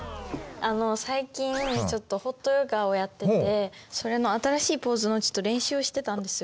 あの最近ちょっとホットヨガをやっててそれの新しいポーズの練習をしてたんですよ。